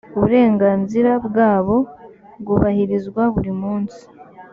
uburenganzira bwabo bwubahirizwa buri munsi